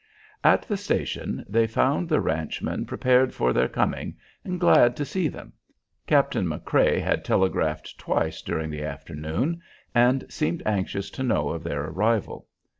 At the station, they found the ranchmen prepared for their coming and glad to see them. Captain McCrea had telegraphed twice during the afternoon and seemed anxious to know of their arrival.